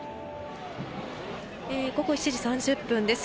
午後７時３０分です。